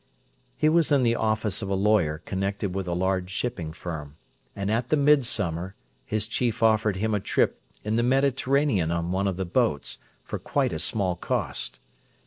He was in the office of a lawyer connected with a large shipping firm, and at the midsummer his chief offered him a trip in the Mediterranean on one of the boats, for quite a small cost.